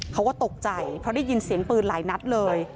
เขาก็ตกใจเพราะได้ยินเสียงปืนหลายนัดเลย